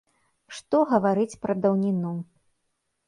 Што гаварыць пра даўніну.